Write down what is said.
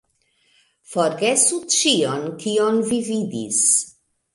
Forgesu ĉion kion vi vidis